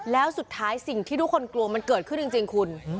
แล้วสุดท้ายสิ่งที่ทุกคนกลัวมันเกิดขึ้นจริงคุณ